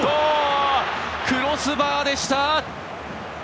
クロスバーでした！